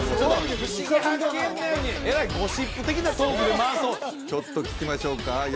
「ふしぎ発見！」やのにえらいゴシップ的なトークで回そうとちょっと聞きましょうか？